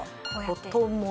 「こともの」